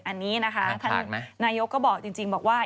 อันนี้นะคะท่านนายกก็บอกจริงบอกว่า